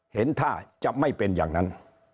เห็นท่าจะไม่เป็นอย่างนั้น